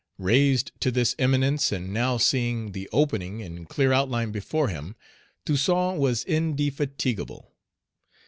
Raised to this eminence, and now seeing "the opening" in clear outline before him, Toussaint was indefatigable.